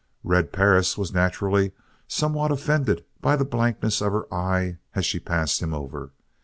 Red Perris was naturally somewhat offended by the blankness of her eye as she passed him over.